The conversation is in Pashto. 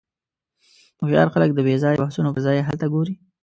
هوښیار خلک د بېځایه بحثونو پر ځای حل ته ګوري.